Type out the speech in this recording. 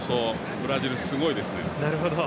ブラジルはすごいですね。